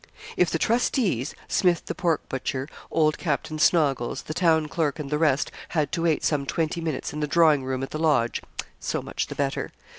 If the trustees, Smith the pork butcher, old Captain Snoggles, the Town Clerk, and the rest, had to wait some twenty minutes in the drawing room at the Lodge, so much the better.